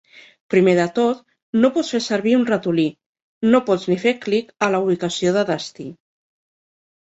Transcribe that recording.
Primer de tot, no pots fer servir un ratolí, no pots ni fer clic a la ubicació de destí.